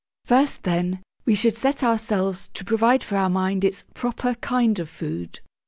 First, then, we should set ourselves to provide for our mind its proper kind of food.